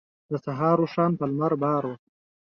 د سهار اوښان په لمر بار وو.